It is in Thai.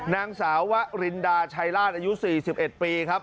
นางสาววะรินดาชัยราชอายุ๔๑ปีครับ